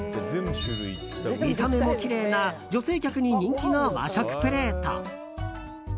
見た目もきれいな女性客に人気の和食プレート。